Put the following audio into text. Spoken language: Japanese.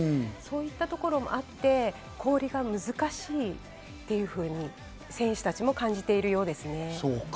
そういうところもあって、氷が難しいというふうに選手たちも感じているようです。